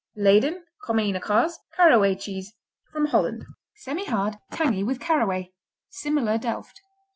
Leyden, Komijne Kaas, Caraway Cheese Holland Semihard, tangy with caraway. Similar Delft.